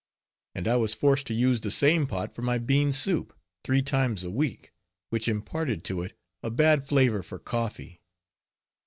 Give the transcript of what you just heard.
And I was forced to use the same pot for my bean soup, three times a week, which imparted to it a bad flavor for coffee.